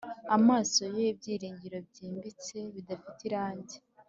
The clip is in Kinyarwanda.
amaso ye ibyiringiro byimbitse, bidafite irangi.